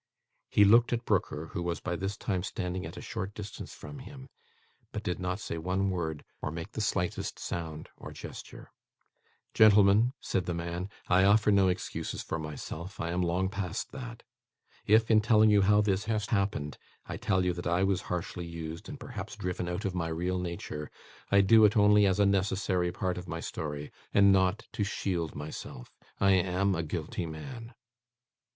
He looked at Brooker, who was by this time standing at a short distance from him; but did not say one word, or make the slightest sound or gesture. 'Gentlemen,' said the man, 'I offer no excuses for myself. I am long past that. If, in telling you how this has happened, I tell you that I was harshly used, and perhaps driven out of my real nature, I do it only as a necessary part of my story, and not to shield myself. I am a guilty man.